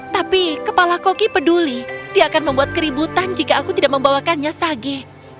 tapi kepala koki peduli dia akan membuat keributan jika aku tidak membawakannya sage